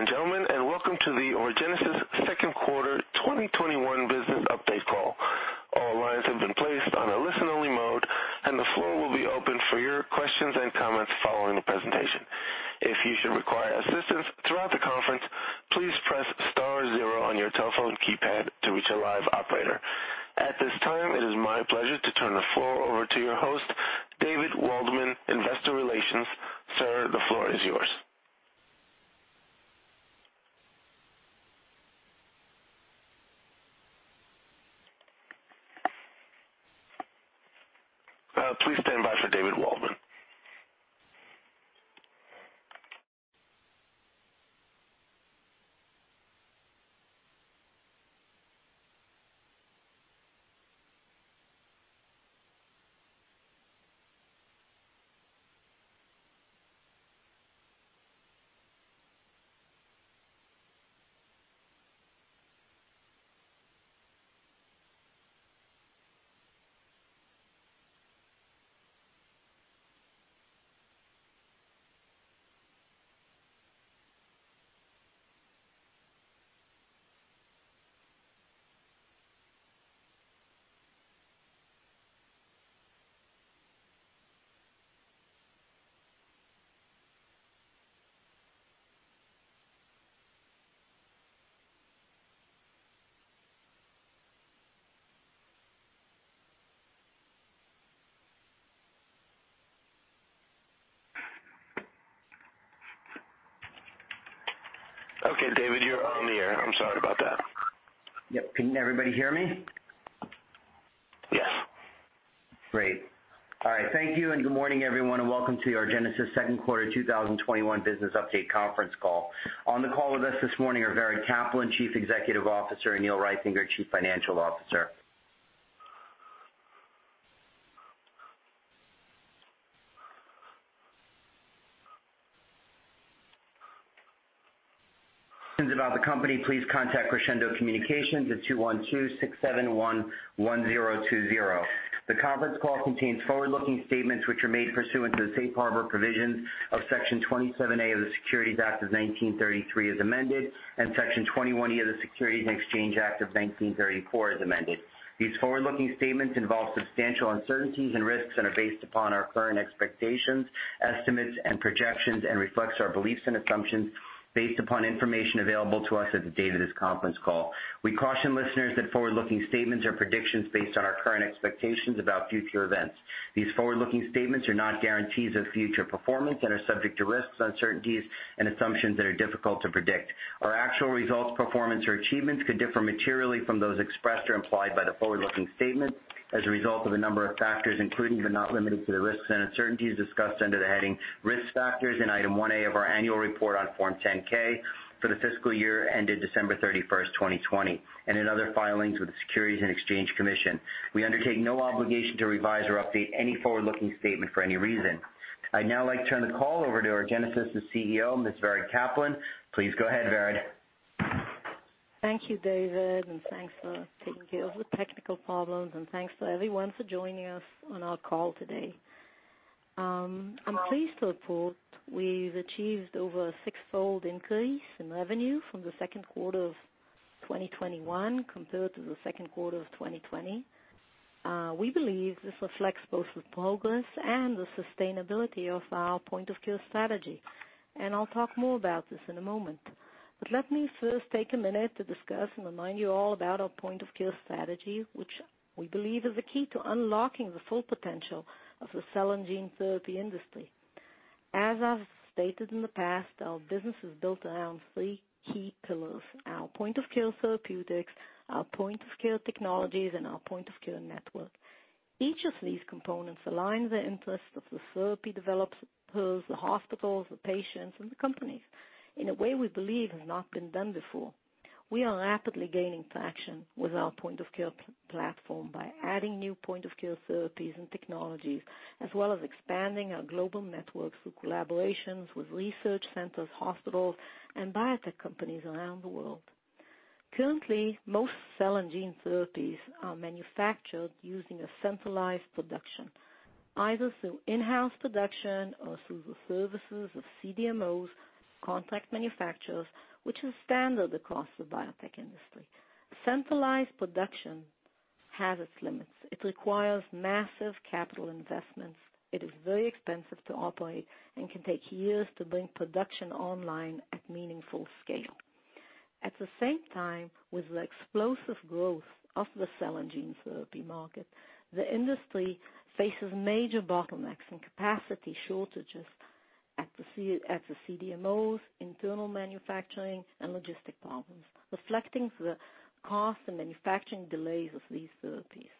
Good day, ladies and gentlemen, and welcome to the Orgenesis second quarter 2021 business update call. All lines have been placed on a listen-only mode, and the floor will be open for your questions and comments following the presentation. If you should require assistance throughout the conference, please press star zero on your telephone keypad to reach a live operator. At this time, it is my pleasure to turn the floor over to your host, David Waldman, Investor Relations. Sir, the floor is yours. Please stand by for David Waldman. Okay, David, you're on the air. I'm sorry about that. Yep. Can everybody hear me? Yes. Great. All right. Thank you. Good morning, everyone, and welcome to Orgenesis Q2 2021 business update conference call. On the call with us this morning are Vered Caplan, Chief Executive Officer, and Neil Reithinger, Chief Financial Officer. About the company, please contact Crescendo Communications at (212) 671-1020. The conference call contains forward-looking statements which are made pursuant to the Safe Harbor provisions of Section 27A of the Securities Act of 1933 as amended, and Section 21E of the Securities Exchange Act of 1934 as amended. These forward-looking statements involve substantial uncertainties and risks and are based upon our current expectations, estimates, and projections and reflects our beliefs and assumptions based upon information available to us at the date of this conference call. We caution listeners that forward-looking statements are predictions based on our current expectations about future events. These forward-looking statements are not guarantees of future performance and are subject to risks, uncertainties, and assumptions that are difficult to predict. Our actual results, performance, or achievements could differ materially from those expressed or implied by the forward-looking statements as a result of a number of factors, including but not limited to the risks and uncertainties discussed under the heading Risk Factors in item 1A of our annual report on Form 10-K for the fiscal year ended December 31st, 2020, and in other filings with the Securities and Exchange Commission. We undertake no obligation to revise or update any forward-looking statement for any reason. I'd now like to turn the call over to Orgenesis's CEO, Ms. Vered Caplan. Please go ahead, Vered. Thank you, David, and thanks for taking care of the technical problems and thanks to everyone for joining us on our call today. I'm pleased to report we've achieved over a six-fold increase in revenue from the second quarter of 2021 compared to the second quarter of 2020. We believe this reflects both the progress and the sustainability of our point-of-care strategy, and I'll talk more about this in a moment. Let me first take a minute to discuss and remind you all about our point-of-care strategy, which we believe is the key to unlocking the full potential of the cell and gene therapy industry. As I've stated in the past, our business is built around three key pillars, our point-of-care therapeutics, our point-of-care technologies, and our point-of-care network. Each of these components align the interests of the therapy developers, the hospitals, the patients, and the companies in a way we believe has not been done before. We are rapidly gaining traction with our point-of-care platform by adding new point-of-care therapies and technologies, as well as expanding our global network through collaborations with research centers, hospitals, and biotech companies around the world. Currently, most cell and gene therapies are manufactured using a centralized production, either through in-house production or through the services of CDMOs contract manufacturers, which is standard across the biotech industry. Centralized production has its limits. It requires massive capital investments, it is very expensive to operate, and can take years to bring production online at meaningful scale. At the same time, with the explosive growth of the cell and gene therapy market, the industry faces major bottlenecks and capacity shortages at the CDMOs, internal manufacturing, and logistic problems, reflecting the cost and manufacturing delays of these therapies.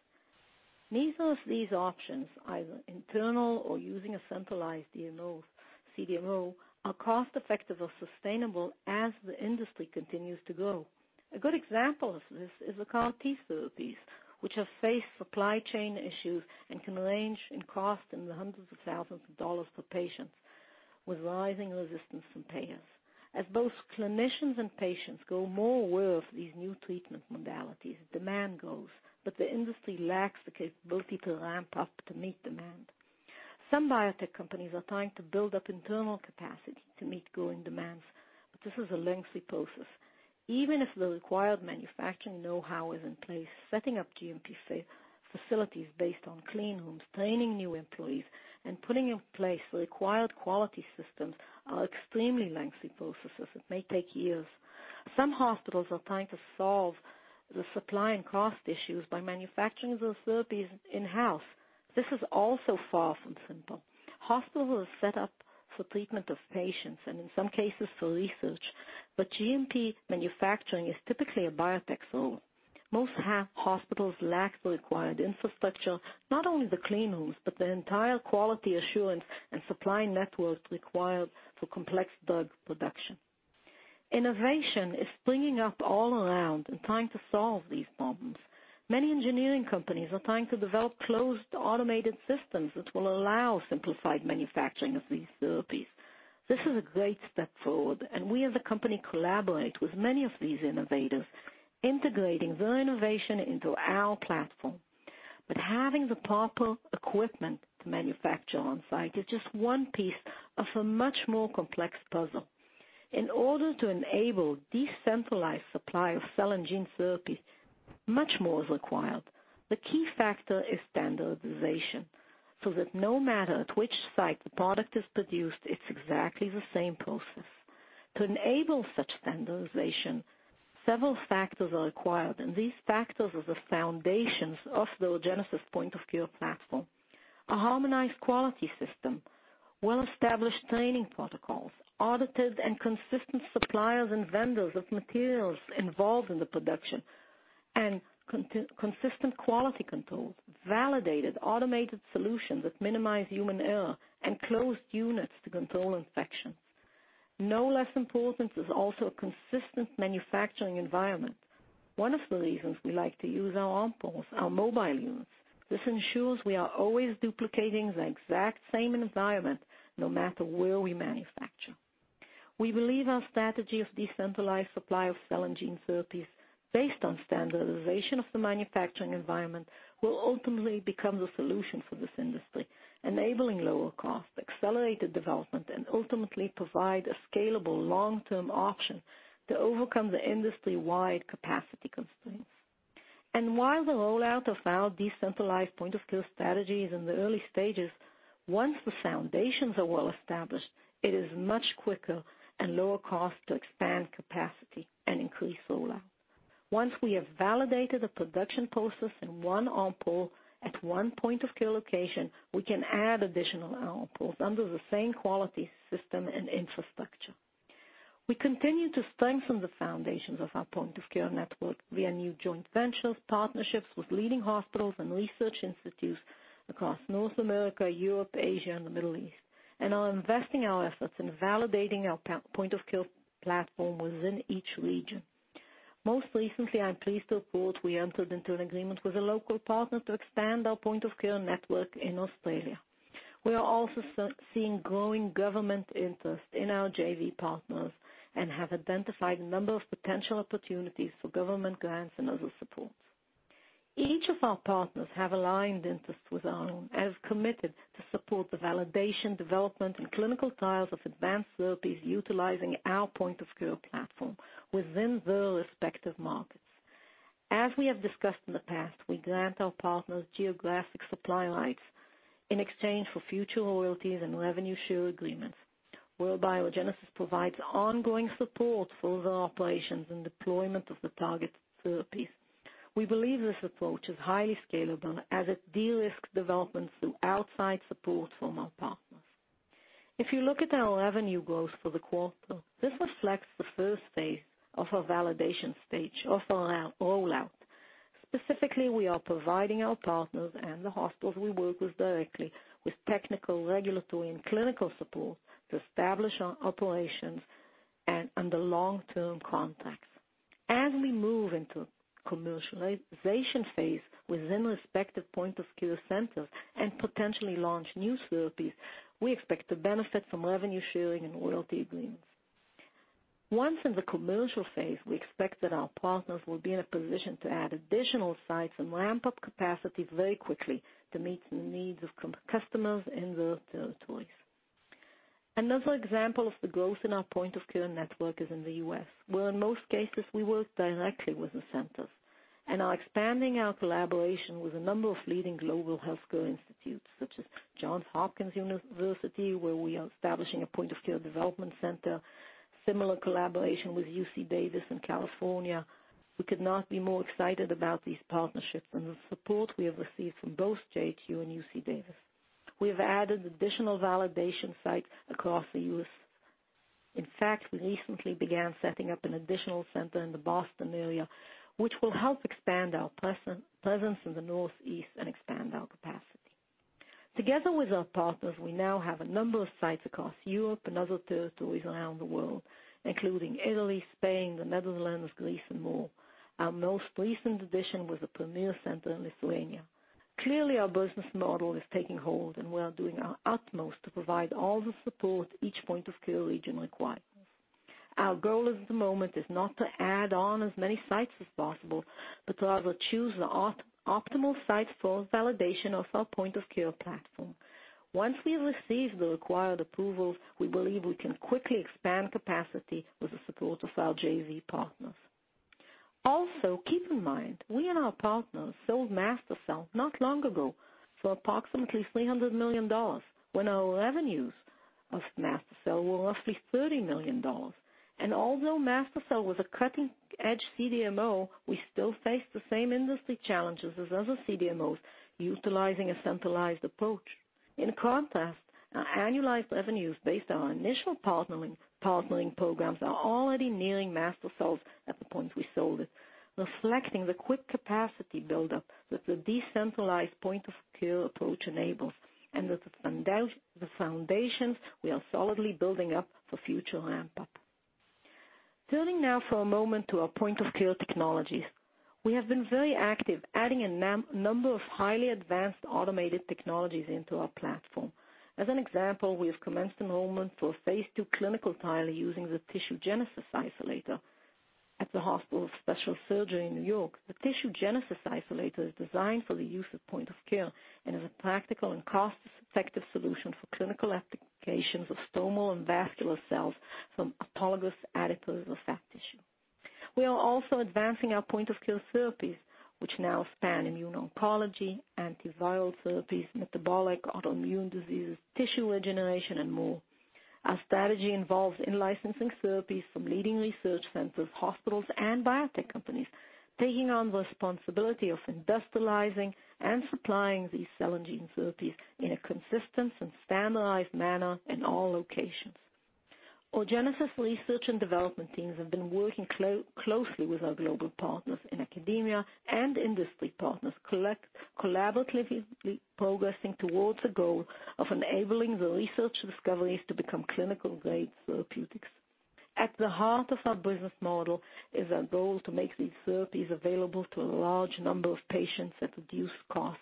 Neither of these options, either internal or using a centralized CDMO, are cost-effective or sustainable as the industry continues to grow. A good example of this is the CAR T therapies, which have faced supply chain issues and can range in cost in the hundreds of thousands of dollars per patient, with rising resistance from payers. Both clinicians and patients grow more aware of these new treatment modalities, demand grows, the industry lacks the capability to ramp up to meet demand. Some biotech companies are trying to build up internal capacity to meet growing demands, this is a lengthy process. Even if the required manufacturing know-how is in place, setting up GMP facilities based on clean rooms, training new employees, and putting in place the required quality systems are extremely lengthy processes that may take years. Some hospitals are trying to solve the supply and cost issues by manufacturing the therapies in-house. This is also far from simple. Hospitals are set up for treatment of patients and, in some cases, for research. GMP manufacturing is typically a biotech role. Most hospitals lack the required infrastructure, not only the clean rooms but the entire quality assurance and supply networks required for complex drug production. Innovation is springing up all around in trying to solve these problems. Many engineering companies are trying to develop closed automated systems that will allow simplified manufacturing of these therapies. This is a great step forward. We as a company collaborate with many of these innovators, integrating their innovation into our platform. Having the proper equipment to manufacture on-site is just one piece of a much more complex puzzle. In order to enable decentralized supply of cell and gene therapy, much more is required. The key factor is standardization, so that no matter at which site the product is produced, it's exactly the same process. To enable such standardization, several factors are required, and these factors are the foundations of the Orgenesis point-of-care platform. A harmonized quality system, well-established training protocols, audited and consistent suppliers and vendors of materials involved in the production, and consistent quality control, validated automated solutions that minimize human error, and closed units to control infection. No less important is also a consistent manufacturing environment. One of the reasons we like to use our R-Pools, our mobile units. This ensures we are always duplicating the exact same environment no matter where we manufacture. We believe our strategy of decentralized supply of cell and gene therapies, based on standardization of the manufacturing environment, will ultimately become the solution for this industry, enabling lower cost, accelerated development, and ultimately provide a scalable long-term option to overcome the industry-wide capacity constraints. While the rollout of our decentralized point-of-care strategy is in the early stages, once the foundations are well established, it is much quicker and lower cost to expand capacity and increase rollout. Once we have validated a production process in one R-Pool at one point-of-care location, we can add additional R-Pools under the same quality system and infrastructure. We continue to strengthen the foundations of our point-of-care network via new joint ventures, partnerships with leading hospitals and research institutes across North America, Europe, Asia, and the Middle East, and are investing our efforts in validating our point-of-care platform within each region. Most recently, I'm pleased to report we entered into an agreement with a local partner to expand our point-of-care network in Australia. We are also seeing growing government interest in our JV partners and have identified a number of potential opportunities for government grants and other support. Each of our partners have aligned interests with our own, as committed to support the validation, development, and clinical trials of advanced therapies utilizing our point-of-care platform within their respective markets. As we have discussed in the past, we grant our partners geographic supply rights in exchange for future royalties and revenue share agreements, where Orgenesis provides ongoing support for their operations and deployment of the target therapies. We believe this approach is highly scalable as it de-risks development through outside support from our partners. If you look at our revenue growth for the quarter, this reflects the first phase of our validation stage of our rollout. Specifically, we are providing our partners and the hospitals we work with directly with technical, regulatory, and clinical support to establish our operations and under long-term contracts. As we move into the commercialization phase within respective point-of-care centers and potentially launch new therapies, we expect to benefit from revenue sharing and royalty agreements. Once in the commercial phase, we expect that our partners will be in a position to add additional sites and ramp up capacity very quickly to meet the needs of customers in the territories. Another example of the growth in our point-of-care network is in the U.S., where in most cases we work directly with the centers and are expanding our collaboration with a number of leading global healthcare institutes, such as Johns Hopkins University, where we are establishing a point-of-care development center. Similar collaboration with UC Davis in California. We could not be more excited about these partnerships and the support we have received from both JHU and UC Davis. We have added additional validation sites across the U.S. In fact, we recently began setting up an additional center in the Boston area, which will help expand our presence in the Northeast and expand our capacity. Together with our partners, we now have a number of sites across Europe and other territories around the world, including Italy, Spain, the Netherlands, Greece, and more. Our most recent addition was a premier center in Lithuania. Clearly, our business model is taking hold, and we are doing our utmost to provide all the support each point-of-care region requires. Our goal at the moment is not to add on as many sites as possible, but to rather choose the optimal site for validation of our point-of-care platform. Once we have received the required approvals, we believe we can quickly expand capacity with the support of our JV partners. Also, keep in mind, we and our partners sold MaSTherCell not long ago for approximately $300 million, when our revenues of MaSTherCell were roughly $30 million. Although MaSTherCell was a cutting-edge CDMO, we still face the same industry challenges as other CDMOs utilizing a centralized approach. In contrast, our annualized revenues, based on our initial partnering programs, are already nearing MaSTherCell's at the point we sold it, reflecting the quick capacity buildup that the decentralized point-of-care approach enables, and that the foundations we are solidly building up for future ramp-up. Turning now for a moment to our point-of-care technologies. We have been very active adding a number of highly advanced automated technologies into our platform. As an example, we have commenced enrollment for a phase II clinical trial using the Tissue Genesis Icellator at the Hospital for Special Surgery in New York. The Tissue Genesis Icellator is designed for the use of point-of-care and is a practical and cost-effective solution for clinical applications of stromal and vascular cells from autologous adipose or fat tissue. We are also advancing our point-of-care therapies, which now span immune oncology, antiviral therapies, metabolic, autoimmune diseases, tissue regeneration, and more. Our strategy involves in-licensing therapies from leading research centers, hospitals, and biotech companies, taking on the responsibility of industrializing and supplying these cell and gene therapies in a consistent and standardized manner in all locations. Orgenesis research and development teams have been working closely with our global partners in academia and industry partners, collaboratively progressing towards the goal of enabling the research discoveries to become clinical-grade therapeutics. At the heart of our business model is our goal to make these therapies available to a large number of patients at reduced cost,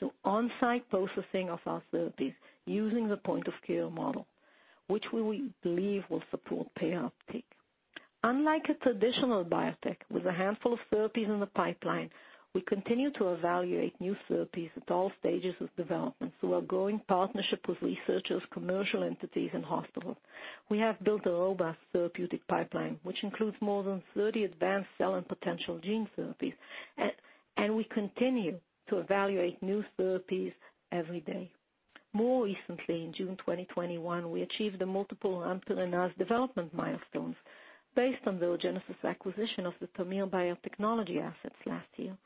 through on-site processing of our therapies using the point-of-care model, which we believe will support payer uptake. Unlike a traditional biotech with a handful of therapies in the pipeline, we continue to evaluate new therapies at all stages of development through our growing partnership with researchers, commercial entities, and hospitals. We have built a robust therapeutic pipeline, which includes more than 30 advanced cell and potential gene therapies, and we continue to evaluate new therapies every day. More recently, in June 2021, we achieved the multiple amprenavir development milestones based on the Orgenesis acquisition of the Tamir Biotechnology assets last year.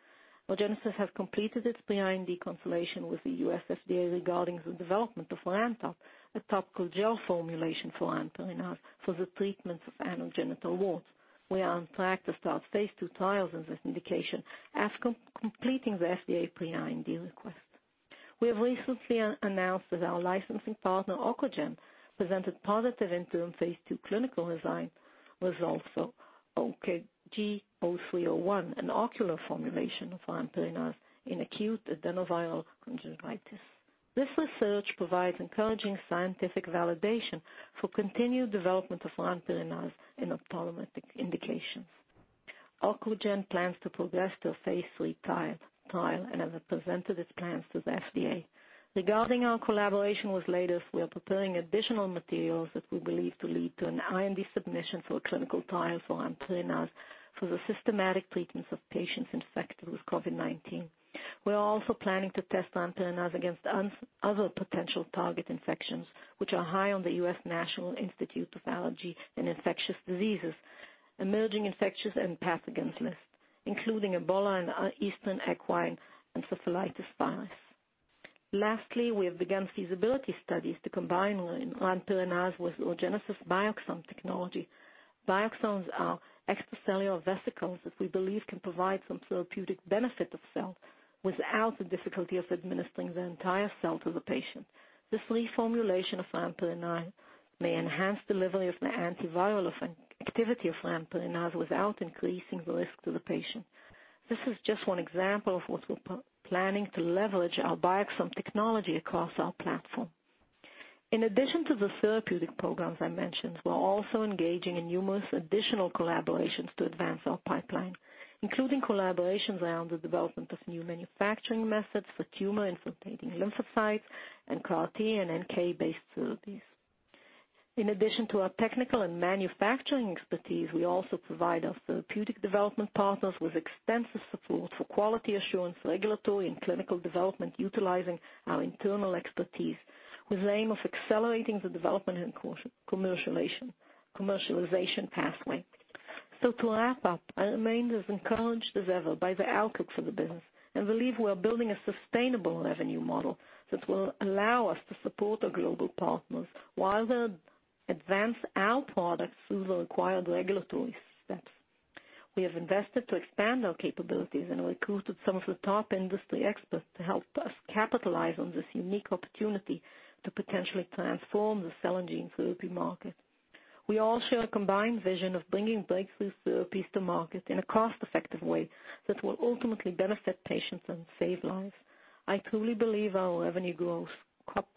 Orgenesis has completed its pre-IND consultation with the US FDA regarding the development of Ranpirnase, a topical gel formulation for amprenavir for the treatment of anogenital warts. We are on track to start phase II trials in this indication after completing the FDA pre-IND request. We have recently announced that our licensing partner, Okogen, presented positive interim phase II clinical design results for OKG-0301, an ocular formulation of amprenavir in acute adenoviral conjunctivitis. This research provides encouraging scientific validation for continued development of amprenavir in ophthalmic indications. Okogen plans to progress to a phase III trial and has presented its plans to the FDA. Regarding our collaboration with Leidos, we are preparing additional materials that we believe to lead to an IND submission for clinical trials for amprenavir for the systematic treatment of patients infected with COVID-19. We are also planning to test amprenavir against other potential target infections, which are high on the U.S. National Institute of Allergy and Infectious Diseases emerging infectious and pathogens list, including Ebola and Eastern equine encephalitis virus. Lastly, we have begun feasibility studies to combine amprenavir with Orgenesis BioXome technology. BioXomes are extracellular vesicles that we believe can provide some therapeutic benefit of cell without the difficulty of administering the entire cell to the patient. This reformulation of amprenavir may enhance delivery of the antiviral activity of amprenavir without increasing the risk to the patient. This is just one example of what we're planning to leverage our BioXome technology across our platform. In addition to the therapeutic programs I mentioned, we're also engaging in numerous additional collaborations to advance our pipeline, including collaborations around the development of new manufacturing methods for tumor-infiltrating lymphocytes and CAR T and NK-based therapies. In addition to our technical and manufacturing expertise, we also provide our therapeutic development partners with extensive support for quality assurance, regulatory, and clinical development, utilizing our internal expertise with the aim of accelerating the development and commercialization pathway. To wrap up, I remain as encouraged as ever by the outlook for the business and believe we are building a sustainable revenue model that will allow us to support our global partners while they advance our products through the required regulatory steps. We have invested to expand our capabilities and recruited some of the top industry experts to help us capitalize on this unique opportunity to potentially transform the cell and gene therapy market. We all share a combined vision of bringing breakthrough therapies to market in a cost-effective way that will ultimately benefit patients and save lives. I truly believe our revenue growth,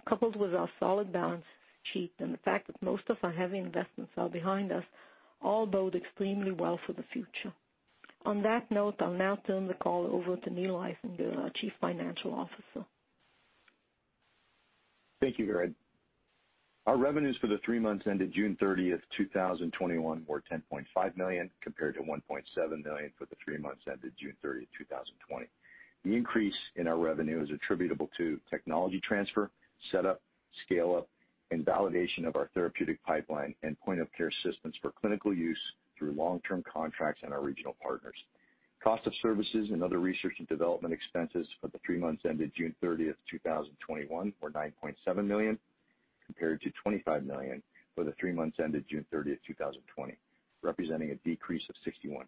coupled with our solid balance sheet and the fact that most of our heavy investments are behind us, all bode extremely well for the future. On that note, I'll now turn the call over to Neil Reithinger, our Chief Financial Officer. Thank you, Vered. Our revenues for the three months ended June 30th, 2021 were $10.5 million, compared to $1.7 million for the three months ended June 30th, 2020. The increase in our revenue is attributable to technology transfer, set up, scale-up, and validation of our therapeutic pipeline and point-of-care systems for clinical use through long-term contracts and our regional partners. Cost of services and other research and development expenses for the three months ended June 30th, 2021 were $9.7 million, compared to $25 million for the three months ended June 30th, 2020, representing a decrease of 61%.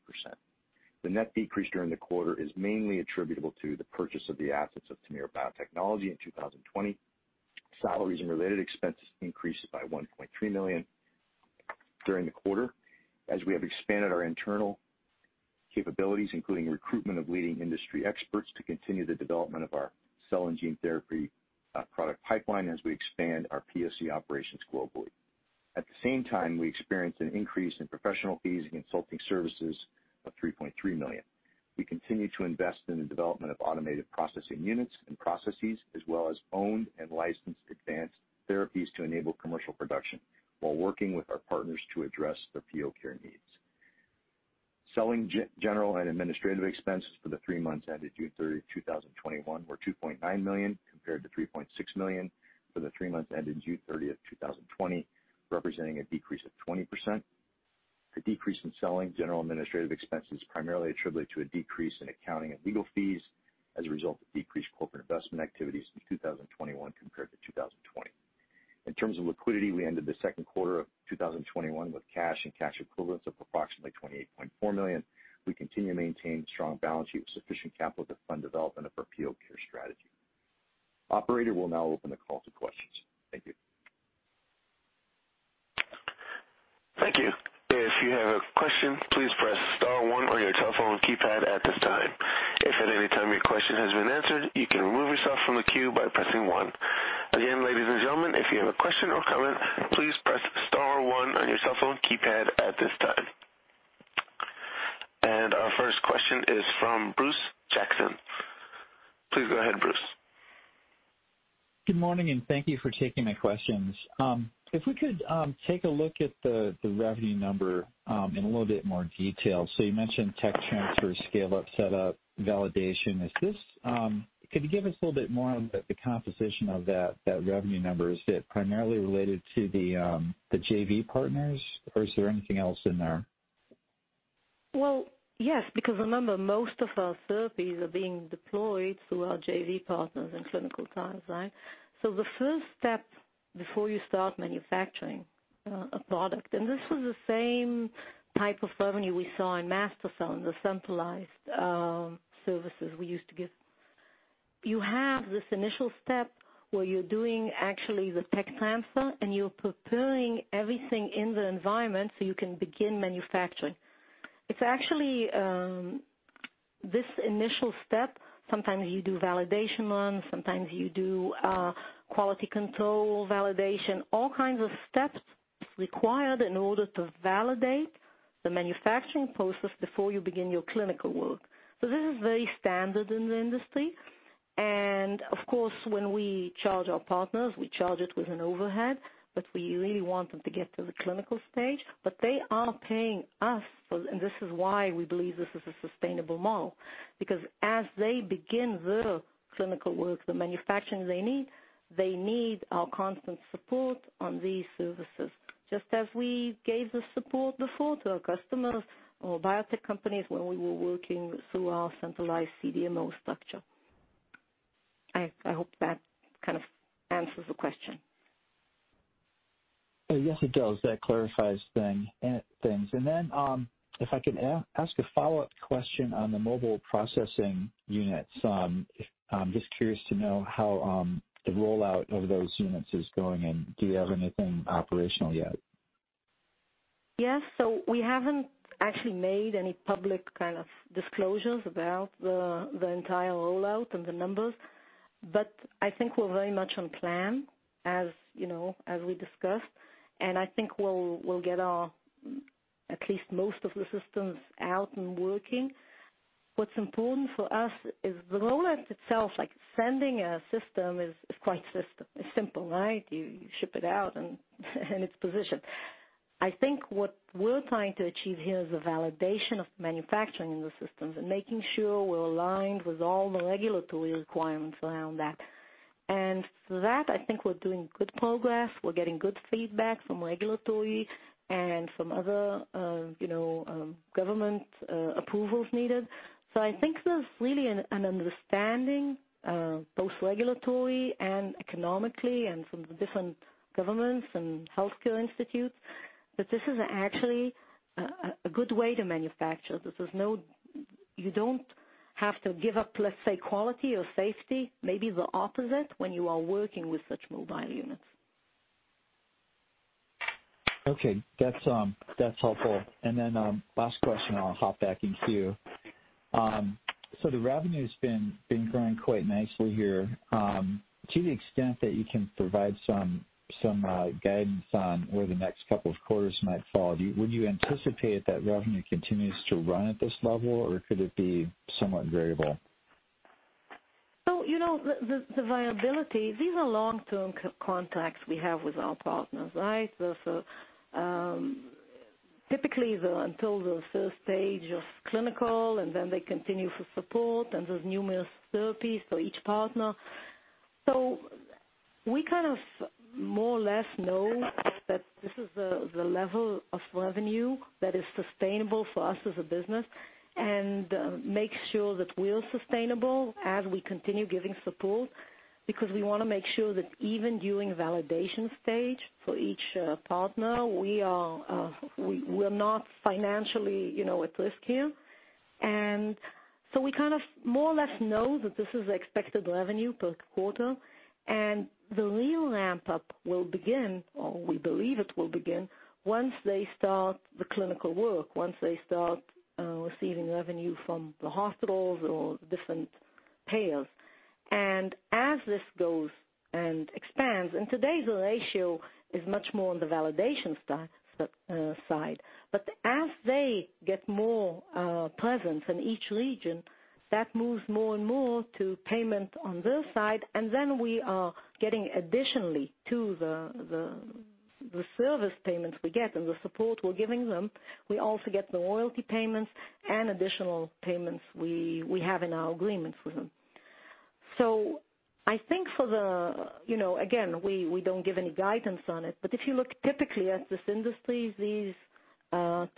The net decrease during the quarter is mainly attributable to the purchase of the assets of Tamir Biotechnology in 2020. Salaries and related expenses increased by $1.3 million during the quarter, as we have expanded our internal capabilities, including recruitment of leading industry experts to continue the development of our cell and gene therapy product pipeline as we expand our POC operations globally. At the same time, we experienced an increase in professional fees and consulting services of $3.3 million. We continue to invest in the development of automated processing units and processes as well as owned and licensed advanced therapies to enable commercial production while working with our partners to address their point-of-care needs. Selling, general, and administrative expenses for the three months ended June 30th, 2021 were $2.9 million, compared to $3.6 million for the three months ended June 30th, 2020, representing a decrease of 20%. The decrease in selling, general, and administrative expenses primarily attributed to a decrease in accounting and legal fees as a result of decreased corporate investment activities in 2021 compared to 2020. In terms of liquidity, we ended the second quarter of 2021 with cash and cash equivalents of approximately $28.4 million. We continue to maintain strong balance sheet with sufficient capital to fund development of our POCare strategy. Operator, we'll now open the call to questions. Thank you. Thank you. If you have a question, please press star one on your telephone keypad at this time. If at any time your question has been answered, you can remove yourself from the queue by pressing one. Again, ladies and gentlemen, if you have a question or comment, please press star one on your cell phone keypad at this time. Our first question is from Bruce Jackson. Please go ahead, Bruce. Good morning, and thank you for taking my questions. If we could take a look at the revenue number in a little bit more detail. You mentioned tech transfer, scale-up, set up, validation. Could you give us a little bit more on the composition of that revenue number? Is it primarily related to the JV partners, or is there anything else in there? Yes, because remember, most of our therapies are being deployed through our JV partners in clinical trials, right? The first step before you start manufacturing a product, and this was the same type of revenue we saw in MaSTherCell, in the centralized services we used to give. You have this initial step where you're doing actually the tech transfer, and you're preparing everything in the environment so you can begin manufacturing. It's actually this initial step. Sometimes you do validation runs, sometimes you do quality control validation, all kinds of steps required in order to validate the manufacturing process before you begin your clinical work. This is very standard in the industry. Of course, when we charge our partners, we charge it with an overhead, but we really want them to get to the clinical stage. They are paying us, and this is why we believe this is a sustainable model, because as they begin the clinical work, the manufacturing they need, they need our constant support on these services. Just as we gave the support before to our customers or biotech companies when we were working through our centralized CDMO structure. I hope that kind of answers the question. Yes, it does. That clarifies things. If I can ask a follow-up question on the Mobile Processing Units. I'm just curious to know how the rollout of those units is going, and do you have anything operational yet? Yes. We haven't actually made any public disclosures about the entire rollout and the numbers. I think we're very much on plan as we discussed, and I think we'll get at least most of the systems out and working. What's important for us is the rollout itself, like sending a system is quite simple, right? You ship it out and it's positioned. I think what we're trying to achieve here is a validation of manufacturing in the systems and making sure we're aligned with all the regulatory requirements around that. For that, I think we're doing good progress. We're getting good feedback from regulatory and from other government approvals needed. I think there's really an understanding, both regulatory and economically and from the different governments and healthcare institutes, that this is actually a good way to manufacture. You don't have to give up, let's say, quality or safety, maybe the opposite when you are working with such mobile units. Okay. That's helpful. Last question, I'll hop back into you. The revenue's been growing quite nicely here. To the extent that you can provide some guidance on where the next couple of quarters might fall, would you anticipate that revenue continues to run at this level, or could it be somewhat variable? The viability, these are long-term contracts we have with our partners, right? Typically, until the first stage of clinical, and then they continue for support, and there's numerous therapies for each partner. We kind of more or less know that this is the level of revenue that is sustainable for us as a business and makes sure that we're sustainable as we continue giving support, because we want to make sure that even during validation stage for each partner, we're not financially at risk here. We kind of more or less know that this is the expected revenue per quarter. The real ramp-up will begin, or we believe it will begin, once they start the clinical work, once they start receiving revenue from the hospitals or different payers. As this goes and expands, today the ratio is much more on the validation side. As they get more presence in each region, that moves more and more to payment on this side, then we are getting additionally to the service payments we get and the support we're giving them, we also get the royalty payments and additional payments we have in our agreement with them. I think for the, again, we don't give any guidance on it, but if you look typically at this industry, these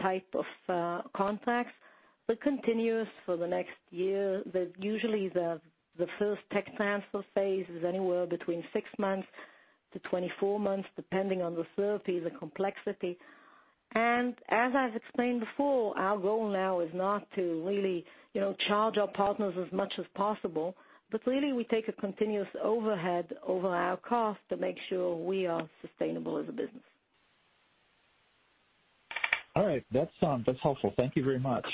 type of contracts, that continues for the next year. Usually, the first tech transfer phase is anywhere between six months-24 months, depending on the therapy, the complexity. As I've explained before, our goal now is not to really charge our partners as much as possible, but really we take a continuous overhead over our cost to make sure we are sustainable as a business. All right. That's helpful. Thank you very much.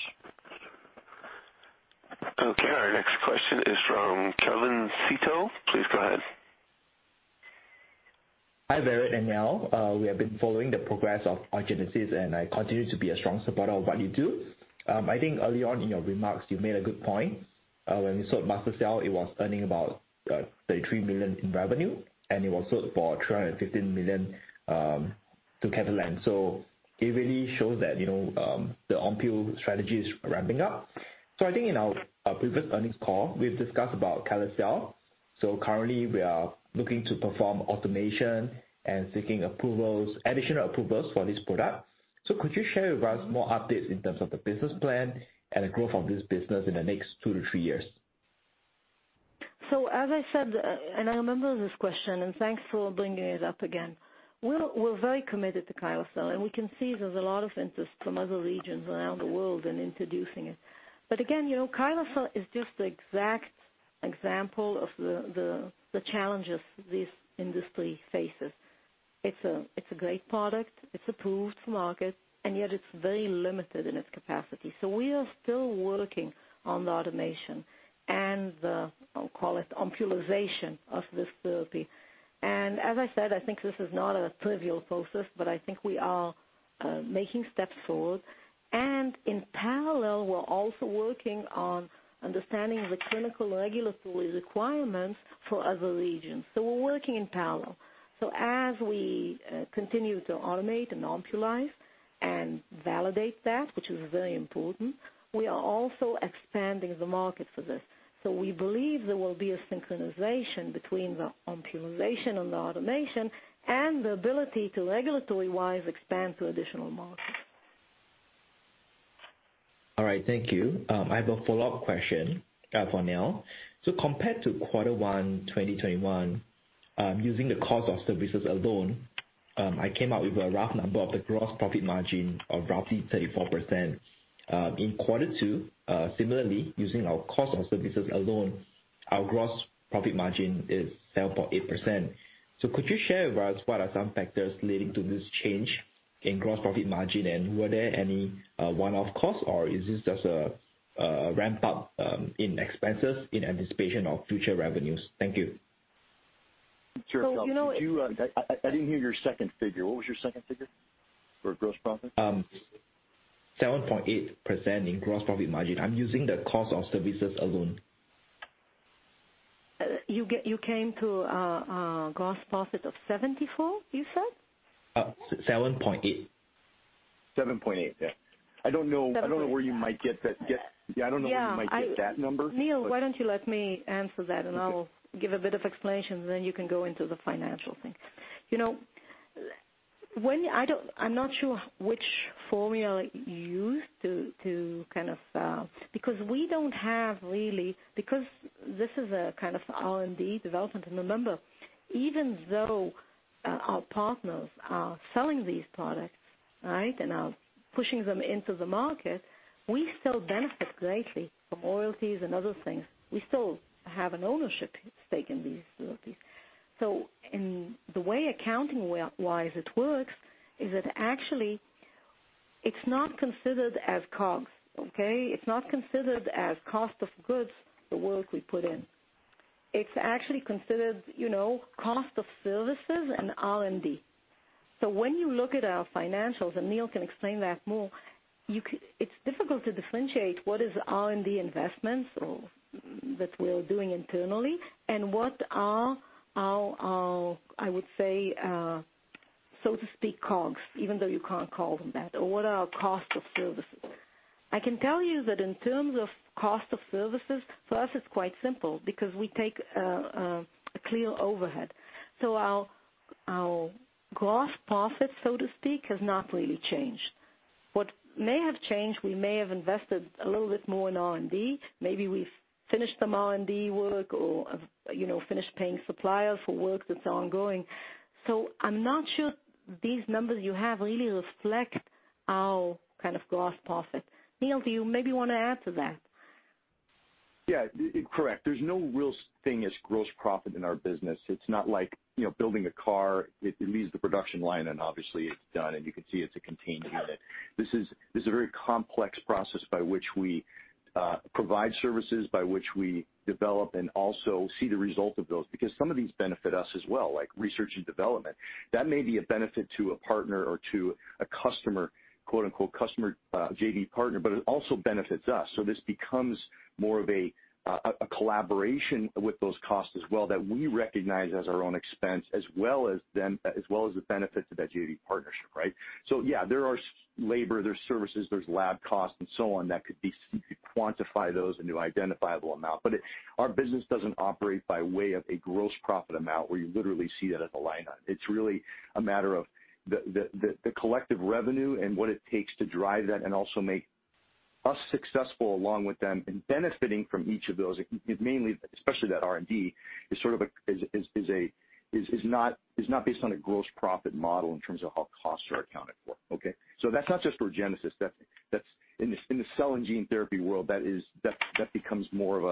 Okay, our next question is from Kevin DeGeeter. Please go ahead. Hi, Vered and Neil. We have been following the progress of Orgenesis. I continue to be a strong supporter of what you do. I think early on in your remarks, you made a good point. When you sold MaSTherCell, it was earning about $33 million in revenue. It was sold for $315 million to Catalent. It really shows that the OMPUL strategy is ramping up. I think in our previous earnings call, we've discussed about KYSLECEL. Currently, we are looking to perform automation and seeking additional approvals for this product. Could you share with us more updates in terms of the business plan and the growth of this business in the next two-three years? As I said, and I remember this question, and thanks for bringing it up again. We're very committed to KYSLECEL, and we can see there's a lot of interest from other regions around the world in introducing it. Again, KYSLECEL is just the exact example of the challenges this industry faces. It's a great product. It's approved to market, and yet it's very limited in its capacity. We are still working on the automation and the, I'll call it optimization of this therapy. As I said, I think this is not a trivial process, but I think we are making steps forward. In parallel, we're also working on understanding the clinical regulatory requirements for other regions. We're working in parallel. As we continue to automate and optimize and validate that, which is very important, we are also expanding the market for this. We believe there will be a synchronization between the optimization and the automation and the ability to regulatory-wise expand to additional markets. All right. Thank you. I have a follow-up question for Neil. Compared to quarter one 2021, using the cost of services alone, I came out with a rough number of the gross profit margin of roughly 34%. In quarter two, similarly, using our cost of services alone, our gross profit margin is 7.8%. Could you share with us what are some factors leading to this change in gross profit margin, and were there any one-off costs, or is this just a ramp-up in expenses in anticipation of future revenues? Thank you. So you know- Sure. I didn't hear your second figure. What was your second figure for gross profit? 7.8% in gross profit margin. I'm using the cost of services alone. You came to a gross profit of 74%, you said? 7.8%. 7.8%. Yeah. I don't know where you might get that number. Yeah. Neil, why don't you let me answer that. I'll give a bit of explanation, then you can go into the financial thing. I'm not sure which formula you used to kind of, because we don't have really, because this is a kind of R&D development. Remember, even though our partners are selling these products, and are pushing them into the market, we still benefit greatly from royalties and other things. We still have an ownership stake in these royalties. The way accounting wise it works is that actually it's not considered as COGS. It's not considered as cost of goods, the work we put in. It's actually considered cost of services and R&D. When you look at our financials, and Neil can explain that more, it's difficult to differentiate what is R&D investments that we're doing internally and what are our, I would say, so to speak, COGS, even though you can't call them that, or what are our cost of services. I can tell you that in terms of cost of services, for us, it's quite simple, because we take a clear overhead. Our gross profit, so to speak, has not really changed. What may have changed, we may have invested a little bit more in R&D. Maybe we've finished some R&D work or finished paying suppliers for work that's ongoing. I'm not sure these numbers you have really reflect our kind of gross profit. Neil, do you maybe want to add to that? Yeah. Correct. There's no real thing as gross profit in our business. It's not like building a car, it leaves the production line and obviously it's done and you can see it's a contained unit. This is a very complex process by which we provide services, by which we develop and also see the result of those, because some of these benefit us as well, like research and development. That may be a benefit to a partner or to a customer, "customer", JV partner, but it also benefits us. This becomes more of a collaboration with those costs as well that we recognize as our own expense, as well as the benefits of that JV partnership, right? Yeah, there are labor, there's services, there's lab costs and so on that could be, quantify those into identifiable amount. Our business doesn't operate by way of a gross profit amount where you literally see that at the line item. It's really a matter of the collective revenue and what it takes to drive that and also make us successful along with them and benefiting from each of those, especially that R&D is not based on a gross profit model in terms of how costs are accounted for. Okay? That's not just for Orgenesis. In the cell and gene therapy world, that becomes more of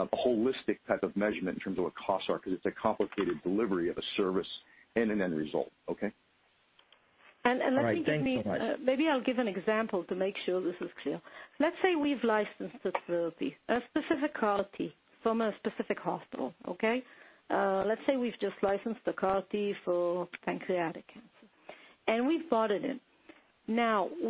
a holistic type of measurement in terms of what costs are, because it's a complicated delivery of a service and an end result. Okay? And let me give- All right. Thanks so much.... maybe I'll give an example to make sure this is clear. Let's say we've licensed this therapy, a specific CAR T from a specific hospital. Okay. Let's say we've just licensed the CAR T for pancreatic cancer, and we've bought it in.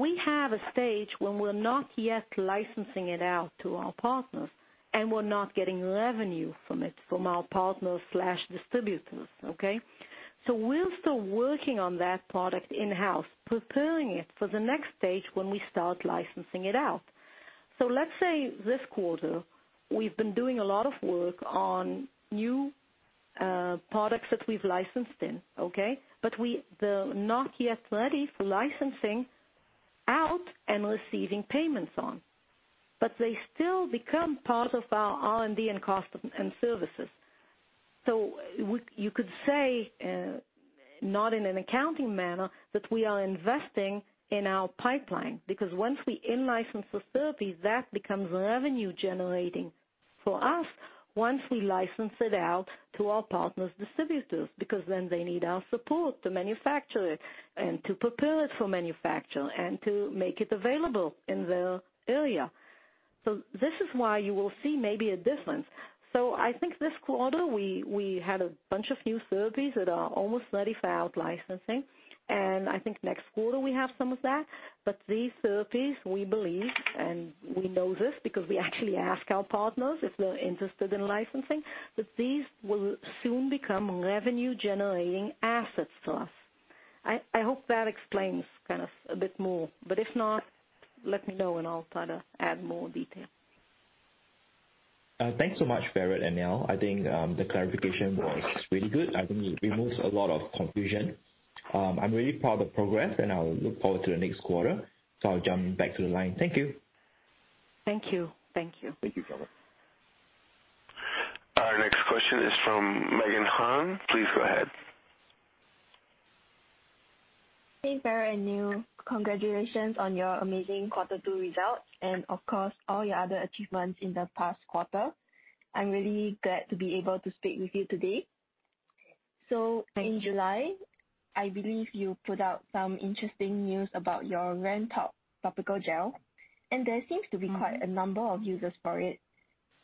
We have a stage when we're not yet licensing it out to our partners, and we're not getting revenue from it, from our partners/distributors. Okay. We're still working on that product in-house, preparing it for the next stage when we start licensing it out. Let's say this quarter, we've been doing a lot of work on new products that we've licensed in. Okay. They're not yet ready for licensing out and receiving payments on. They still become part of our R&D and cost and services. You could say, not in an accounting manner, that we are investing in our pipeline, because once we in-license the therapy, that becomes revenue generating for us once we license it out to our partners' distributors, because then they need our support to manufacture it and to prepare it for manufacture and to make it available in their area. This is why you will see maybe a difference. I think this quarter we had a bunch of new therapies that are almost ready for out licensing, and I think next quarter we have some of that, but these therapies, we believe, and we know this because we actually ask our partners if they're interested in licensing, that these will soon become revenue generating assets to us. I hope that explains kind of a bit more, but if not, let me know and I'll try to add more detail. Thanks so much, Vered and Neil. I think the clarification was really good. I think it removes a lot of confusion. I'm really proud of progress, and I'll look forward to the next quarter. I'll jump back to the line. Thank you. Thank you. Thank you. Thank you so much. Our next question is from Megan Hong. Please go ahead. Hey, Vered and Neil. Congratulations on your amazing Q2 results and of course all your other achievements in the past quarter. I'm really glad to be able to speak with you today. In July, I believe you put out some interesting news about your RanTop topical gel, and there seems to be quite a number of users for it.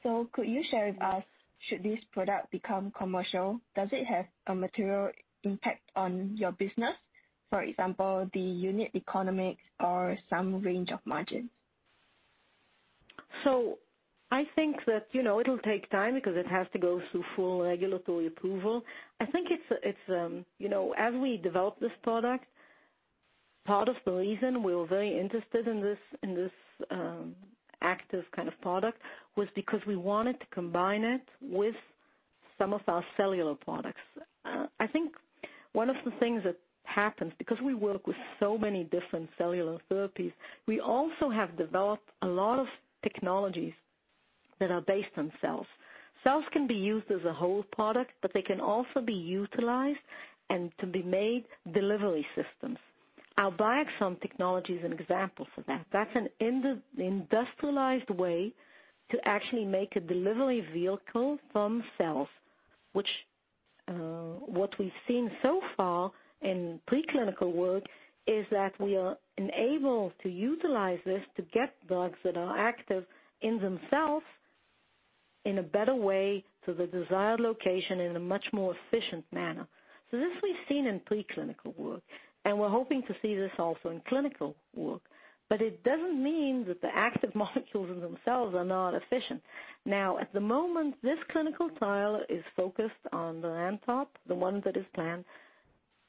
Could you share with us, should this product become commercial, does it have a material impact on your business? For example, the unit economics or some range of margins. I think that it'll take time because it has to go through full regulatory approval. As we develop this product, part of the reason we were very interested in this active kind of product was because we wanted to combine it with some of our cellular products. One of the things that happens, because we work with so many different cellular therapies, we also have developed a lot of technologies that are based on cells. Cells can be used as a whole product, but they can also be utilized and to be made delivery systems. Our BioXome technology is an example for that. That's an industrialized way to actually make a delivery vehicle from cells, which what we've seen so far in preclinical work, is that we are enabled to utilize this to get drugs that are active in themselves in a better way to the desired location, in a much more efficient manner. This we've seen in preclinical work, and we're hoping to see this also in clinical work. It doesn't mean that the active molecules in themselves are not efficient. At the moment, this clinical trial is focused on the Ranpirnase, the one that is planned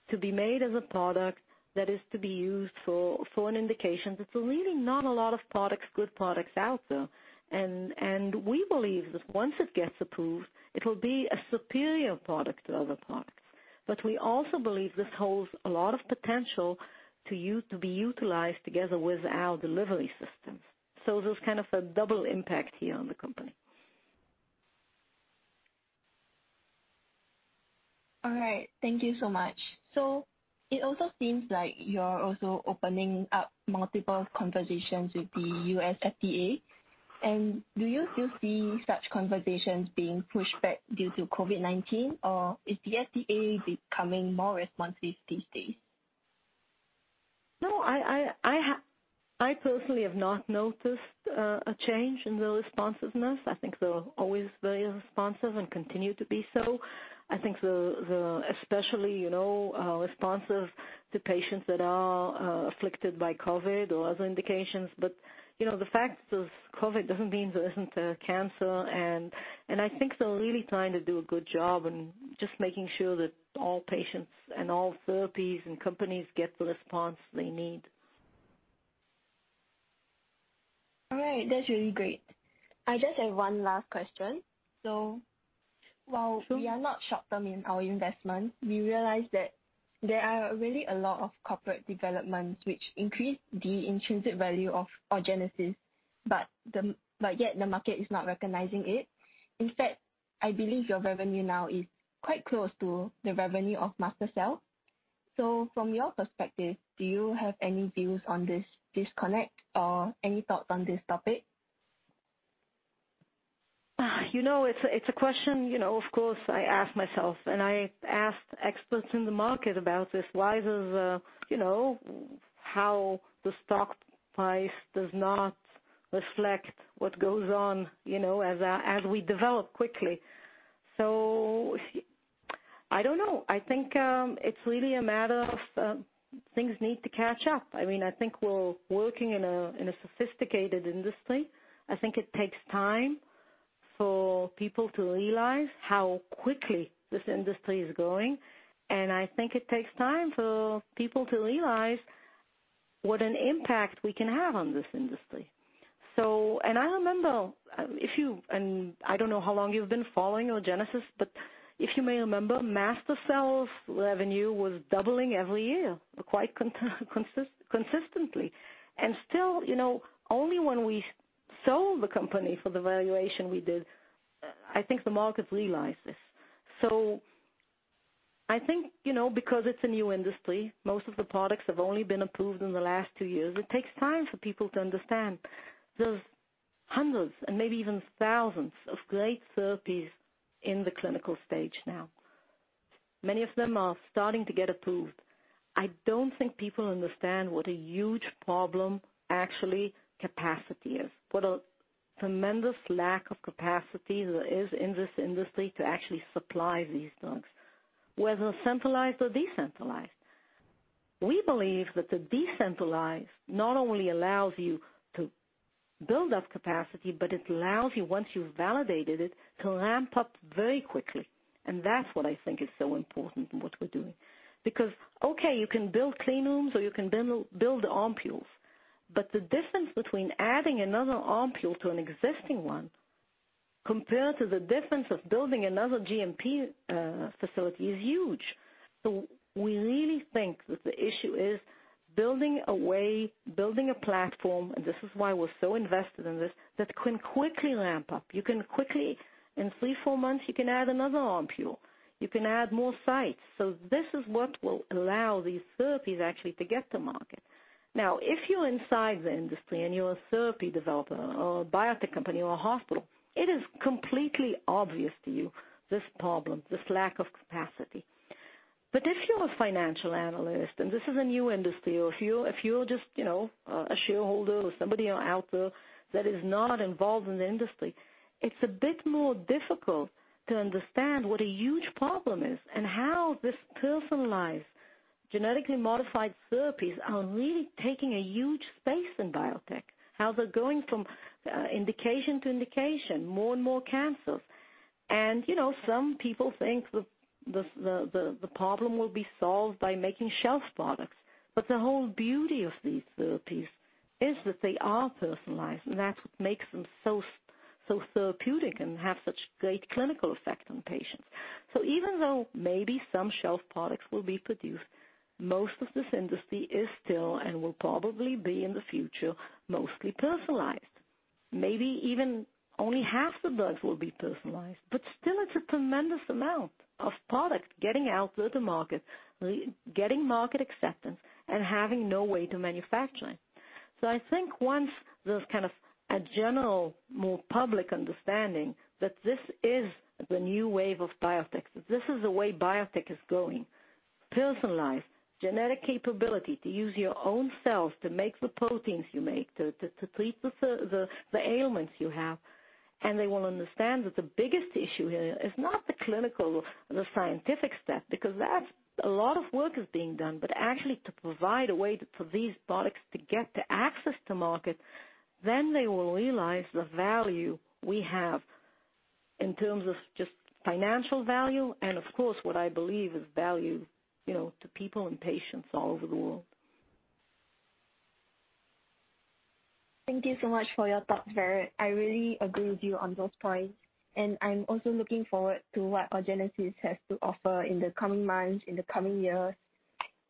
to be made as a product that is to be used for an indication that there're really not a lot of products, good products out there. We believe that once it gets approved, it'll be a superior product to other products. We also believe this holds a lot of potential to be utilized together with our delivery systems. There's kind of a double impact here on the company. All right. Thank you so much. It also seems like you're also opening up multiple conversations with the U.S. FDA. Do you still see such conversations being pushed back due to COVID-19, or is the FDA becoming more responsive these days? No, I personally have not noticed a change in the responsiveness. I think they're always very responsive and continue to be so. I think they're especially responsive to patients that are afflicted by COVID or other indications. The fact there's COVID doesn't mean there isn't cancer, and I think they're really trying to do a good job and just making sure that all patients and all therapies and companies get the response they need. All right. That's really great. I just have one last question. Sure. We are not short-term in our investment, we realize that there are really a lot of corporate developments which increase the intrinsic value of Orgenesis, but yet the market is not recognizing it. In fact, I believe your revenue now is quite close to the revenue of MaSTherCell. From your perspective, do you have any views on this disconnect or any thoughts on this topic? It's a question, of course, I ask myself, and I asked experts in the market about this. The stock price does not reflect what goes on as we develop quickly. I don't know. I think, it's really a matter of things need to catch up. I think we're working in a sophisticated industry. I think it takes time for people to realize how quickly this industry is growing, and I think it takes time for people to realize what an impact we can have on this industry. I remember, if you, and I don't know how long you've been following Orgenesis, but if you may remember, MaSTherCell's revenue was doubling every year, quite consistently. Still, only when we sold the company for the valuation we did, I think the market realized this. I think, because it's a new industry, most of the products have only been approved in the last two years. It takes time for people to understand. There's hundreds and maybe even thousands of great therapies in the clinical stage now. Many of them are starting to get approved. I don't think people understand what a huge problem actually capacity is, what a tremendous lack of capacity there is in this industry to actually supply these drugs, whether centralized or decentralized. We believe that the decentralized not only allows you to build up capacity, but it allows you, once you've validated it, to ramp up very quickly. That's what I think is so important in what we're doing. Okay, you can build clean rooms or you can build OMPULs, but the difference between adding another OMPUL to an existing one compared to the difference of building another GMP facility is huge. We really think that the issue is building a way, building a platform, and this is why we're so invested in this, that can quickly ramp up. You can quickly, in three, four months, you can add another OMPUL. You can add more sites. This is what will allow these therapies actually to get to market. Now, if you're inside the industry and you're a therapy developer or a biotech company or a hospital, it is completely obvious to you, this problem, this lack of capacity. If you're a financial analyst, and this is a new industry, or if you're just a shareholder or somebody out there that is not involved in the industry, it's a bit more difficult to understand what a huge problem is and how this personalized genetically modified therapies are really taking a huge space in biotech, how they're going from indication to indication, more and more cancers. Some people think the problem will be solved by making shelf products. The whole beauty of these therapies is that they are personalized, and that's what makes them so therapeutic and have such great clinical effect on patients. Even though maybe some shelf products will be produced, most of this industry is still and will probably be in the future, mostly personalized. Maybe even only half the drugs will be personalized, but still it's a tremendous amount of product getting out to the market, getting market acceptance, and having no way to manufacture it. I think once there's kind of a general, more public understanding that this is the new wave of biotech, that this is the way biotech is going, personalized genetic capability to use your own cells to make the proteins you make to treat the ailments you have, and they will understand that the biggest issue here is not the clinical, the scientific step, because a lot of work is being done, but actually to provide a way for these products to get the access to market, then they will realize the value we have in terms of just financial value and, of course, what I believe is value to people and patients all over the world. Thank you so much for your thoughts, Vered. I really agree with you on those points, and I'm also looking forward to what Orgenesis has to offer in the coming months, in the coming years.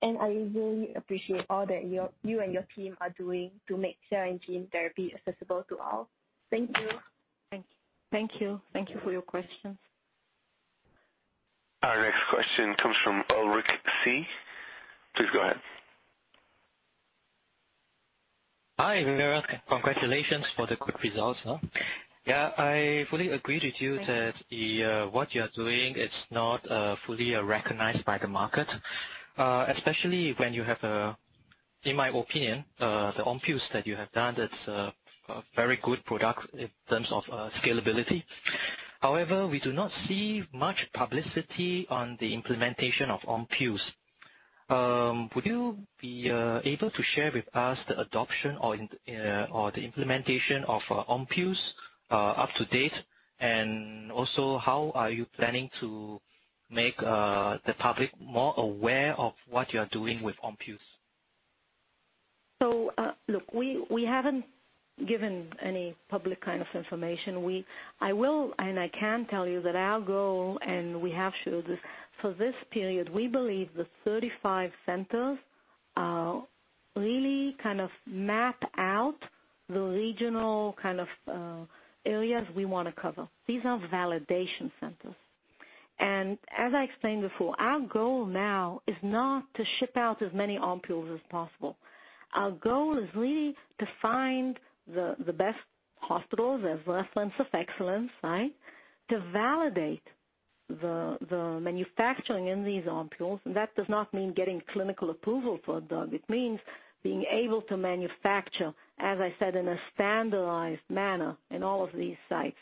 I really appreciate all that you and your team are doing to make cell and gene therapy accessible to all. Thank you. Thank you. Thank you for your question. Our next question comes from Ulrich Krings. Please go ahead. Hi, Vered. Congratulations for the good results. Yeah, I fully agree with you that what you're doing it's not fully recognized by the market, especially when you have, in my opinion, the OMPULs that you have done, that's a very good product in terms of scalability. However, we do not see much publicity on the implementation of OMPULs. Would you be able to share with us the adoption or the implementation of OMPULs up to date? Also, how are you planning to make the public more aware of what you're doing with OMPULs? Look, we haven't given any public kind of information. I will, and I can tell you that our goal, and we have showed this, for this period, we believe the 35 centers really kind of map out the regional kind of areas we want to cover. These are validation centers. As I explained before, our goal now is not to ship out as many OMPULs as possible. Our goal is really to find the best hospitals as reference of excellence, right? To validate the manufacturing in these OMPULs, and that does not mean getting clinical approval for a drug. It means being able to manufacture, as I said, in a standardized manner in all of these sites,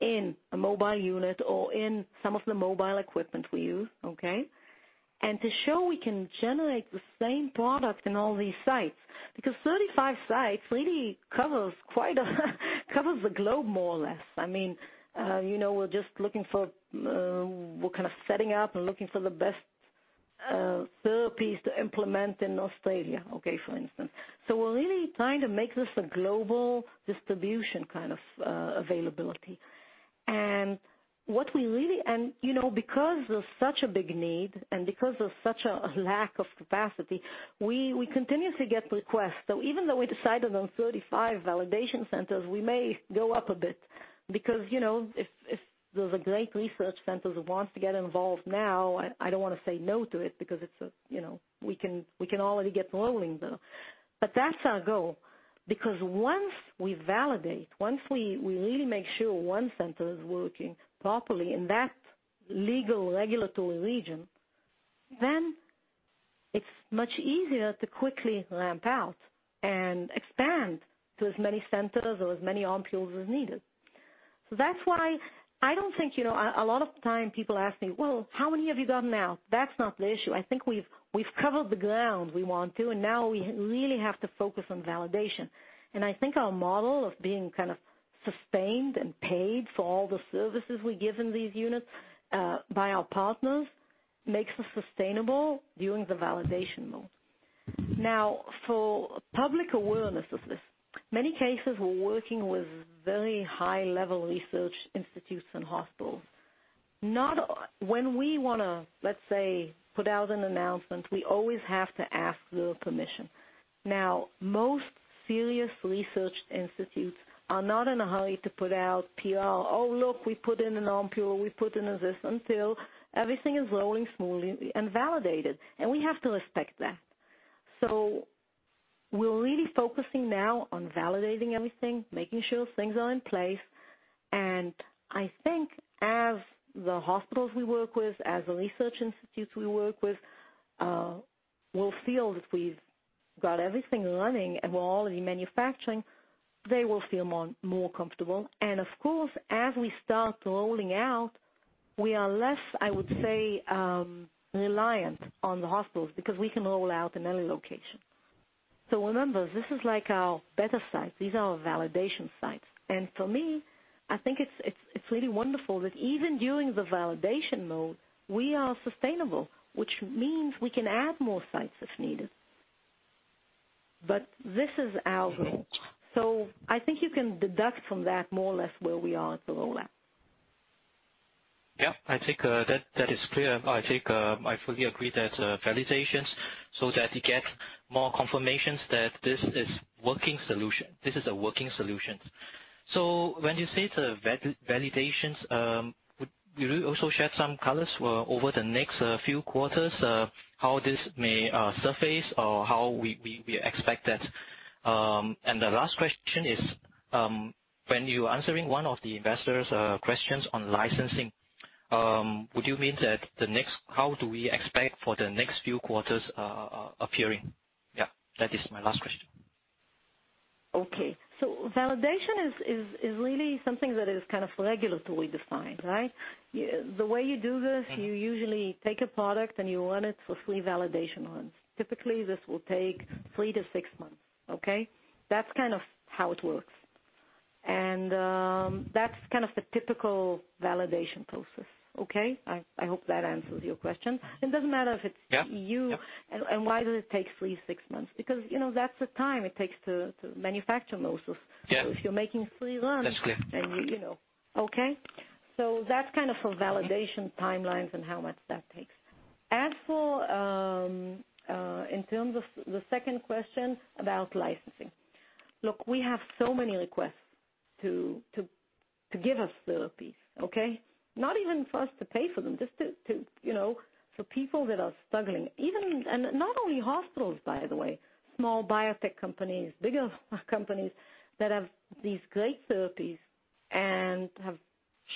in a mobile unit or in some of the mobile equipment we use, okay? To show we can generate the same product in all these sites, because 35 sites really covers the globe, more or less. We're kind of setting up and looking for the best therapies to implement in Australia, okay, for instance. We're really trying to make this a global distribution kind of availability, because there's such a big need and because there's such a lack of capacity, we continue to get requests. Even though we decided on 35 validation centers, we may go up a bit because, if there's a great research center that wants to get involved now, I don't want to say no to it because we can already get rolling though. That's our goal, because once we validate, once we really make sure one center is working properly in that legal regulatory region, then it's much easier to quickly ramp out and expand to as many centers or as many OMPULs as needed. A lot of time people ask me, well, how many have you done now? That's not the issue. I think we've covered the ground we want to, and now we really have to focus on validation. I think our model of being kind of sustained and paid for all the services we give in these units, by our partners, makes us sustainable during the validation mode. Now, for public awareness of this, many cases, we're working with very high-level research institutes and hospitals. When we want to, let's say, put out an announcement, we always have to ask their permission. Now, most serious research institutes are not in a hurry to put out PR. Oh, look, we put in an OMPUL, we put in this, until everything is rolling smoothly and validated, and we have to respect that. We're really focusing now on validating everything, making sure things are in place. I think as the hospitals we work with, as the research institutes we work with, will feel that we've got everything running and we're already manufacturing, they will feel more comfortable. Of course, as we start rolling out, we are less, I would say, reliant on the hospitals because we can roll out in any location. Remember, this is like our better sites. These are our validation sites. For me, I think it's really wonderful that even during the validation mode, we are sustainable, which means we can add more sites if needed. This is our goal. I think you can deduct from that more or less where we are at the rollout. Yeah, I think that is clear. I fully agree that validations so that you get more confirmations that this is a working solution. When you say to validations, would you also shed some colors for over the next few quarters, how this may surface or how we expect that? The last question is, when you were answering one of the investors' questions on licensing, would you mean that how do we expect for the next few quarters appearing? Yeah, that is my last question. Okay. Validation is really something that is kind of regulatory defined, right? The way you do this, you usually take a product and you run it for three validation runs. Typically, this will take three-six months. Okay? That's kind of how it works. That's kind of the typical validation process. Okay? I hope that answers your question. Yeah. [inaudible] and why does it take three, six months, because that's the time it takes to manufacture an a series. Yeah. If you're making three runs- That's clear.... then you know. Okay. That's kind of for validation timelines and how much that takes. As for the second question about licensing. We have so many requests to give us therapies, okay. Not even for us to pay for them, just for people that are struggling even, and not only hospitals, by the way, small biotech companies, bigger companies that have these great therapies and have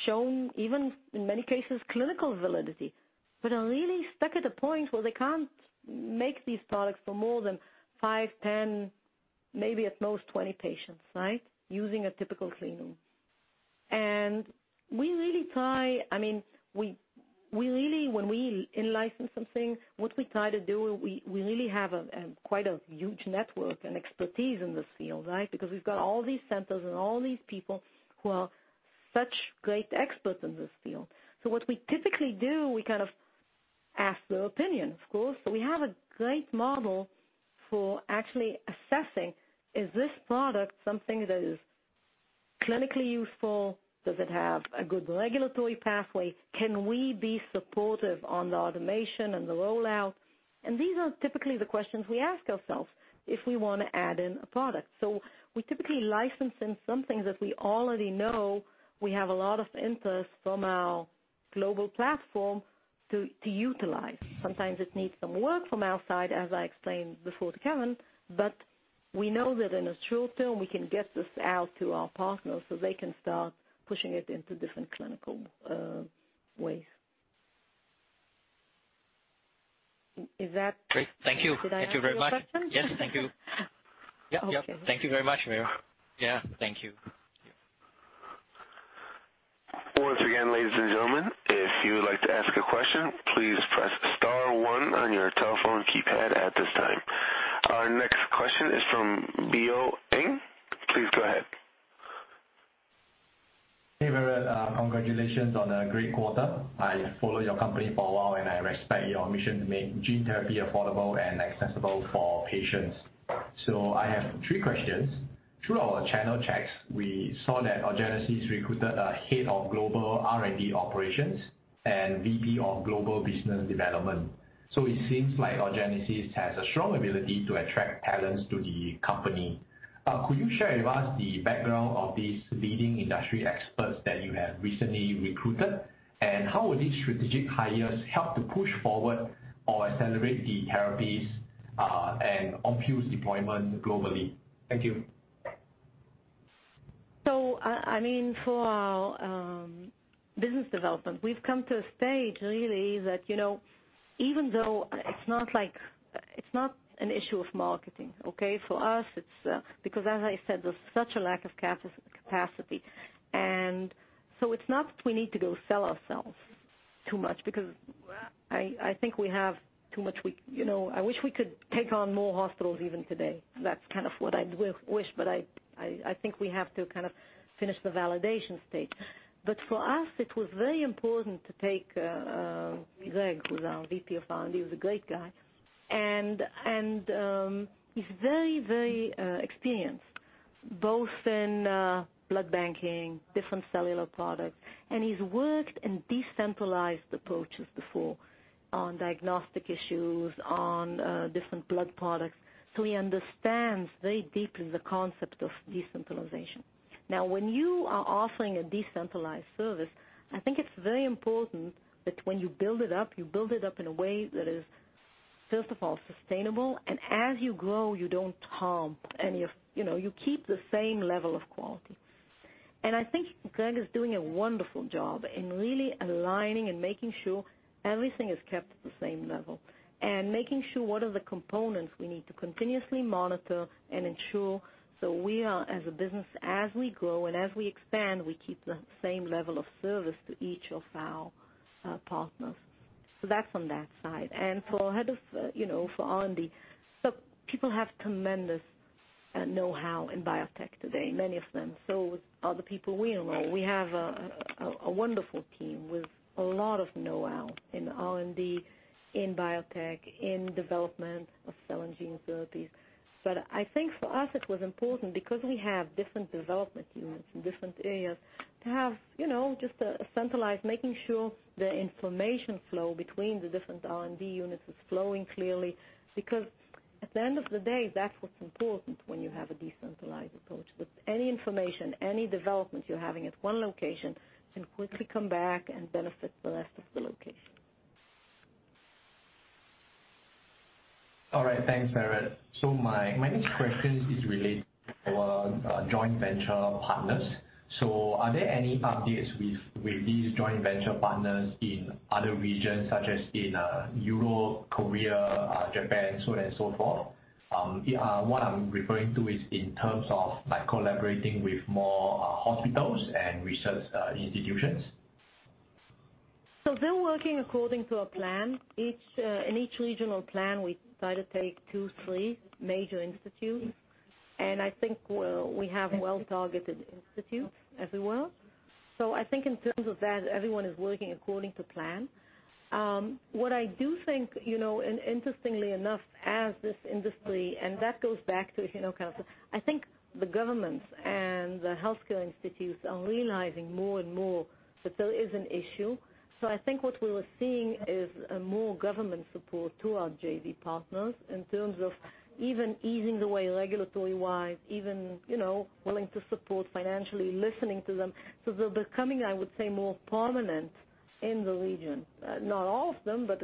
shown even in many cases, clinical validity, but are really stuck at the point where they can't make these products for more than five, 10, maybe at most 20 patients, right. Using a typical clean room. We really try, when we in-license something, what we try to do, we really have quite a huge network and expertise in this field, right. We've got all these centers and all these people who are such great experts in this field. What we typically do, we kind of ask their opinion, of course. We have a great model for actually assessing, is this product something that is clinically useful? Does it have a good regulatory pathway? Can we be supportive on the automation and the rollout? These are typically the questions we ask ourselves if we want to add in a product. We typically license in something that we already know we have a lot of interest from our global platform to utilize. Sometimes it needs some work from our side, as I explained before to Kevin, but we know that in the short term, we can get this out to our partners so they can start pushing it into different clinical ways. Is that- Great. Thank you. Did I answer your question? Thank you very much. Yes, thank you. Yep. Okay. Thank you very much, Vered. Yeah. Thank you. Yeah. Again ladies and gentle men if you want to ask a question please press star one on your telephone keypad at this time. Our next question is from Boobalan Ng. Please go ahead. Hey, Vered, congratulations on a great quarter. I follow your company for a while, and I respect your mission to make gene therapy affordable and accessible for patients. I have three questions. Through our channel checks, we saw that Orgenesis recruited a head of global R&D operations and VP of Global Business Development. It seems like Orgenesis has a strong ability to attract talents to the company. Could you share with us the background of these leading industry experts that you have recently recruited, and how would these strategic hires help to push forward or accelerate the therapies, and on-premise deployment globally? Thank you. For our business development, we've come to a stage really that even though it's not an issue of marketing, okay? For us, it's because, as I said, there's such a lack of capacity, it's not that we need to go sell ourselves too much, because I think we have too much. I wish we could take on more hospitals even today. That's kind of what I wish, but I think we have to kind of finish the validation stage. For us, it was very important to take Greg, who's our VP of R&D, he's a great guy. He's very experienced, both in blood banking, different cellular products, and he's worked in decentralized approaches before on diagnostic issues, on different blood products. He understands very deeply the concept of decentralization. When you are offering a decentralized service, I think it's very important that when you build it up, you build it up in a way that is, first of all, sustainable, and as you grow, you keep the same level of quality. I think Greg is doing a wonderful job in really aligning and making sure everything is kept at the same level and making sure what are the components we need to continuously monitor and ensure so we are as a business, as we grow and as we expand, we keep the same level of service to each of our partners. That's on that side. For R&D, people have tremendous know-how in biotech today, many of them. With other people we know, we have a wonderful team with a lot of know-how in R&D, in biotech, in development of cell and gene therapies. I think for us it was important because we have different development units in different areas to have just a centralized, making sure the information flow between the different R&D units is flowing clearly. At the end of the day, that's what's important when you have a decentralized approach. With any information, any development you are having at one location, can quickly come back and benefit the rest of the locations. All right. Thanks, Vered. My next question is related to our joint venture partners. Are there any updates with these joint venture partners in other regions, such as in Europe, Korea, Japan, so on and so forth? What I am referring to is in terms of collaborating with more hospitals and research institutions. They're working according to a plan. In each regional plan, we try to take two, three major institutes, and I think we have well-targeted institutes as well. I think in terms of that, everyone is working according to plan. What I do think, and interestingly enough, as this industry, and that goes back to gene or cancer, I think the governments and the healthcare institutes are realizing more and more that there is an issue. I think what we were seeing is more government support to our JV partners in terms of even easing the way regulatory-wise, even willing to support financially, listening to them. They're becoming, I would say, more prominent in the region. Not all of them, but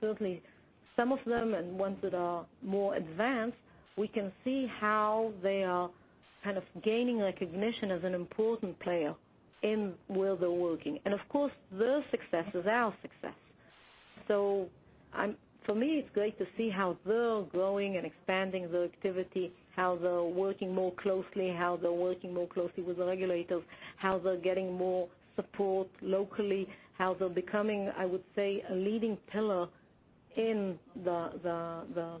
certainly some of them, and ones that are more advanced, we can see how they are kind of gaining recognition as one important player in where they're working. Of course, their success is our success. For me, it's great to see how they're growing and expanding their activity, how they're working more closely with the regulators, how they're getting more support locally, how they're becoming, I would say, a leading pillar in the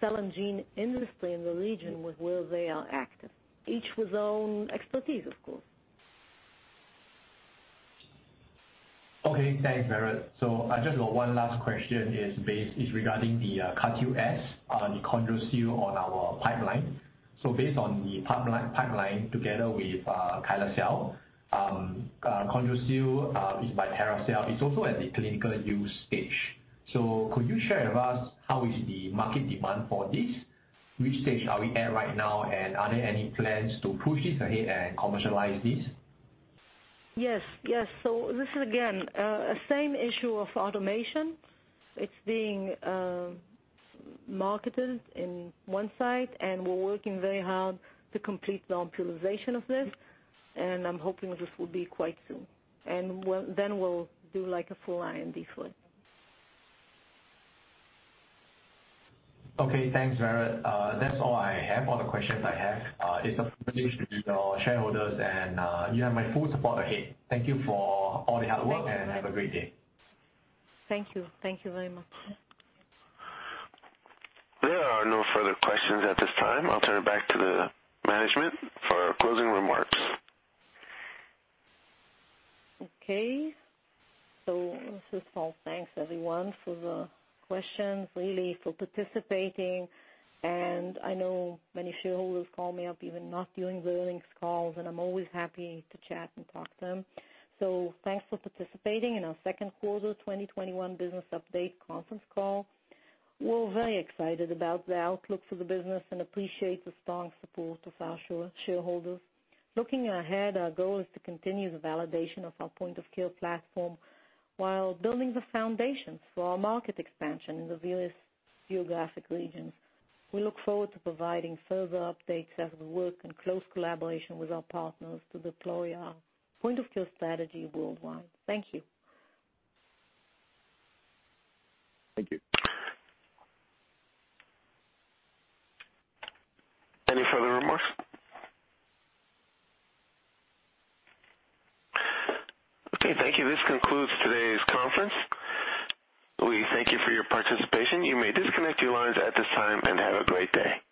cell and gene industry in the region where they are active. Each with their own expertise, of course. Okay. Thanks, Vered. I just got one last question, is regarding the Cartil-S, the Chondroseal on our pipeline. Based on the pipeline together with KYSLECEL, Chondroseal it's also at the clinical use stage. Could you share with us how is the market demand for this? Which stage are we at right now, and are there any plans to push this ahead and commercialize this? Yes. This is again, same issue of automation. It's being marketed in one site, and we're working very hard to complete the optimization of this, and I'm hoping this will be quite soon. Then we'll do a full R&D for it. Okay. Thanks, Vered. That's all I have, all the questions I have. It's a privilege to be your shareholders, and you have my full support ahead. Thank you for all the hard work. Thank you. Have a great day. Thank you. Thank you very much. There are no further questions at this time. I'll turn it back to the management for closing remarks. Okay. First of all, thanks everyone for the questions, really for participating. I know many shareholders call me up, even not during earnings calls, and I'm always happy to chat and talk to them. Thanks for participating in our second quarter 2021 business update conference call. We're very excited about the outlook for the business and appreciate the strong support of our shareholders. Looking ahead, our goal is to continue the validation of our point-of-care platform while building the foundation for our market expansion in the various geographic regions. We look forward to providing further updates as we work in close collaboration with our partners to deploy our point-of-care strategy worldwide. Thank you. Thank you. Any further remarks? Okay, thank you. This concludes today's conference. We thank you for your participation. You may disconnect your lines at this time, and have a great day.